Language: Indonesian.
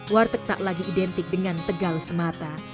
warteg tak lagi identik dengan tegal semata